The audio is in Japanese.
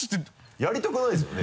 やりたくないんですよね？